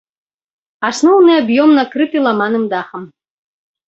Асноўны аб'ём накрыты ламаным дахам.